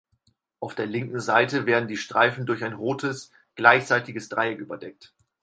Auf der linken Seite werden die Streifen durch ein rotes, gleichseitiges Dreieck überdeckt.